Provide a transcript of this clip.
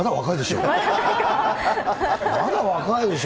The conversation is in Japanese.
まだ若いでしょ。